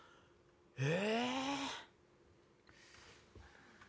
え？